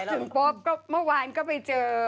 ถึงปุ๊บก็เมื่อวานก็ไปเจอ